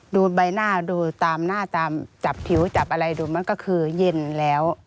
ดูใบหน้าดูตามหน้าตามจับผิวจับอะไรดูมันก็คือเย็นแล้ว